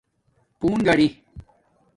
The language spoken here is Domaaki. پݸن گاڑی